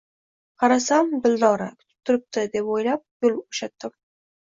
Qarasam, Dildora. Kutib turibdi deb oʻylab yoʻl boʻshatdim.